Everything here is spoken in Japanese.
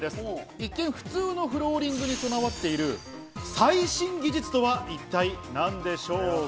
一見普通のフローリングにこだわっている最新技術とは一体何でしょうか？